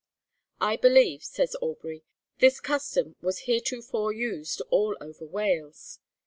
I believe,' says Aubrey, 'this custom was heretofore used all over Wales.'